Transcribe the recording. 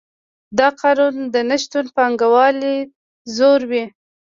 د قانون نشتون پانګوال ځوروي.